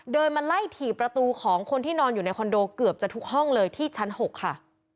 มาไล่ถี่ประตูของคนที่นอนอยู่ในคอนโดเกือบจะทุกห้องเลยที่ชั้น๖ค่ะ